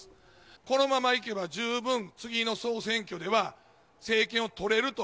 ここままいけば、十分、次の総選挙では政権を取れると。